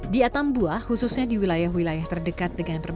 di atambua khususnya di wilayah wilayah terdekat dengan berbagai